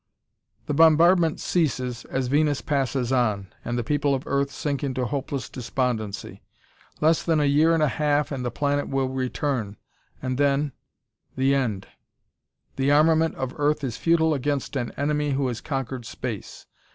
The bombardment ceases as Venus passes on, and the people of Earth sink into hopeless despondency. Less than a year and a half and the planet will return, and then the end! The armament of Earth is futile against an enemy who has conquered space.